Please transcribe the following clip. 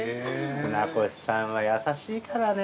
船越さんは優しいからね。